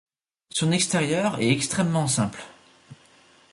Son extérieur est extrêmement simple.